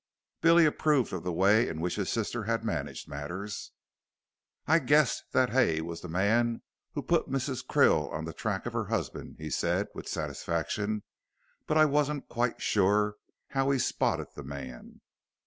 Billy approved of the way in which his sister had managed matters. "I guessed that Hay was the man who put Mrs. Krill on the track of her husband," he said, with satisfaction; "but I wasn't quite sure how he spotted the man."